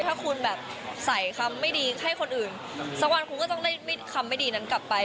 ถ้าคุณแบบใส่คำไม่ดีให้คนอื่นสักวันคุณก็ต้องได้คำไม่ดีนั้นกลับไป